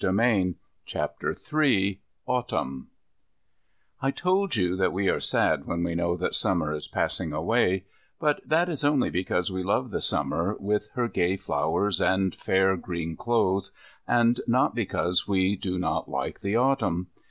III AUTUMN I told you that we are sad when we know that Summer is passing away; but that is only because we love the Summer, with her gay flowers and fair green clothes, and not because we do not like the Autumn.